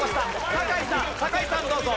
酒井さん酒井さんどうぞ。